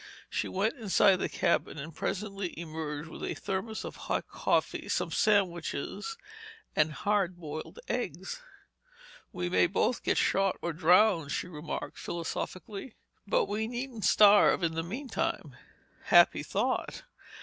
She went inside the cabin and presently emerged with a thermos of hot coffee, some sandwiches and hard boiled eggs. "We may both get shot or drowned," she remarked philosophically, "but we needn't starve in the meantime." "Happy thought!"